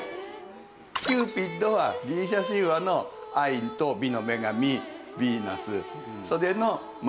キューピッドはギリシャ神話の愛と美の女神ヴィーナスそれのお付き。